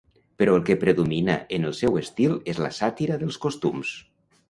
Però el que predomina en el seu estil és la sàtira dels costums.